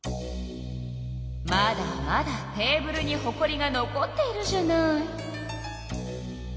まだまだテーブルにほこりが残っているじゃない。